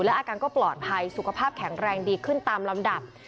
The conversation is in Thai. อาการก็ปลอดภัยสุขภาพแข็งแรงดีขึ้นตามลำดับ